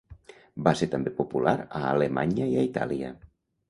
Va ser també popular a Alemanya i a Itàlia.